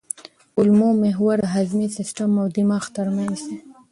کولمو محور د هاضمي سیستم او دماغ ترمنځ دی.